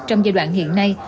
trong giai đoạn hiện nay